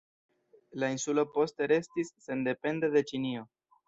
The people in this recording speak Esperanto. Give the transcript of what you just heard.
La insulo poste restis sendepende de Ĉinio.